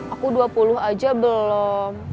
aku dua puluh aja belum